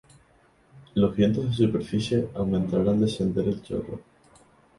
Los vientos de superficie aumentarán al descender el chorro.